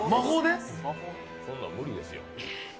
そんなん無理ですよ。